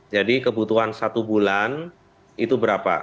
jadi kebutuhan satu bulan itu berapa